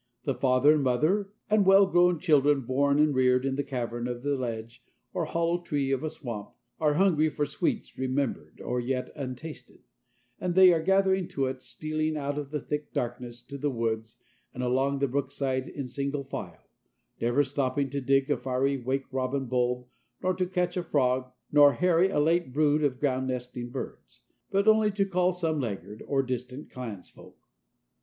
The father and mother and well grown children, born and reared in the cavern of a ledge or hollow tree of a swamp, are hungry for sweets remembered or yet untasted, and they are gathering to it, stealing out of the thick darkness of the woods and along the brookside in single file, never stopping to dig a fiery wake robin bulb nor to catch a frog nor harry a late brood of ground nesting birds, but only to call some laggard, or distant clansfolk.